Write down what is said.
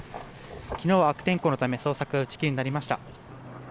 昨日は悪天候のため捜索が打ち切りになりました。